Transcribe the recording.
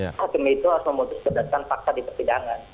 hakim itu harus memutuskan dan paksa dipertidangan